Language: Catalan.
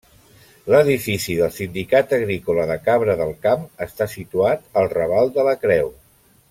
L'edifici del Sindicat Agrícola de Cabra del Camp està situat al Raval de la Creu.